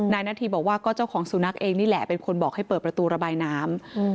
นาธีบอกว่าก็เจ้าของสุนัขเองนี่แหละเป็นคนบอกให้เปิดประตูระบายน้ำ